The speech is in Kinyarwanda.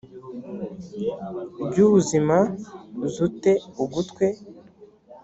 ry ubuzima z u te ugutwi